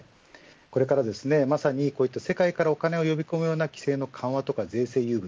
これからまさに世界からお金を呼ぶ込むような規制の緩和とか税制優遇